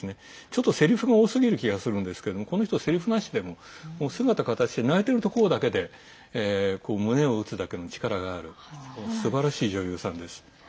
ちょっと、せりふが多すぎる気がするんですけどもこの人は、せりふなしでも姿形で泣いているところだけで胸を打つだけの力があるすばらしい女優さんです。